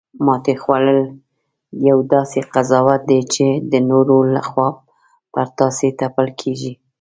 ماتې خوړل یو داسې قضاوت دی چې د نورو لخوا پر تاسې تپل کیږي